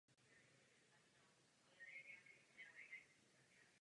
Na horním toku protéká územím Krymské rezervace.